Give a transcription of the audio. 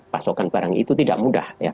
pasokan barang itu tidak mudah